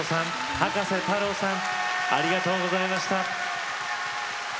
葉加瀬太郎さんありがとうございました。